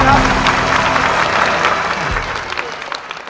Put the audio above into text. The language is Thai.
ขอบคุณครับ